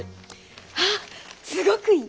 ああすごくいい！